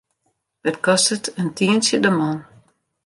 It kostet in tientsje de man.